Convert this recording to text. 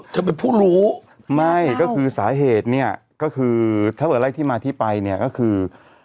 จะเป็นผู้รู้ไม่ก็คือสาเหตุเนี่ยก็คือถ้าเกิดไล่ที่มาที่ไปเนี่ยก็คือ